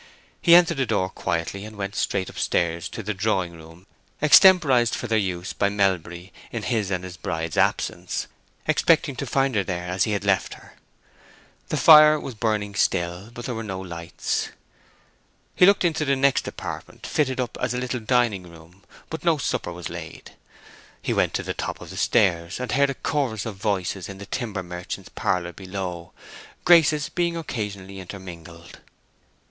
He entered the door quietly, and went straight up stairs to the drawing room extemporized for their use by Melbury in his and his bride's absence, expecting to find her there as he had left her. The fire was burning still, but there were no lights. He looked into the next apartment, fitted up as a little dining room, but no supper was laid. He went to the top of the stairs, and heard a chorus of voices in the timber merchant's parlor below, Grace's being occasionally intermingled.